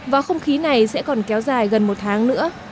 và không khí này sẽ còn kéo dài gần một tháng nữa